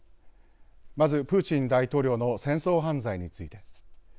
まずプーチン大統領の戦争犯罪について。